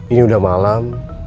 ini udah malem